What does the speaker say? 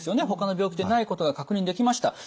ほかの病気でないことが確認できました。